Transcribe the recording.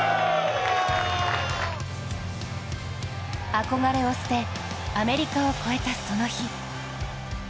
憧れを捨て、アメリカを超えたその日。